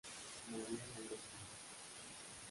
María logró salvarse.